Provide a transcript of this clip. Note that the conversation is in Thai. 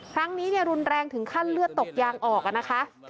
ครั้งนี้รุนแรงถึงขั้นเลือดตกยางออกนะคะ